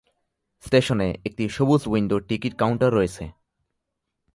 স্টেশনে একটি সবুজ উইন্ডো টিকিট কাউন্টার রয়েছে।